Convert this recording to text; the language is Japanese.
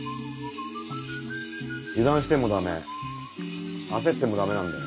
油断しても駄目焦っても駄目なんだよ。